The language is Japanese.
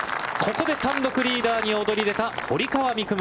ここで単独リーダーに躍り出た堀川未来